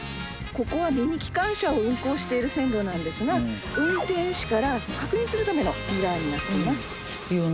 ここはミニ機関車を運行している線路なんですが運転手から確認するためのミラーになっています。